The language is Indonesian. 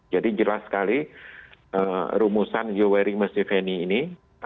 jadi jelas sekali rumusan yoweri musukeni ini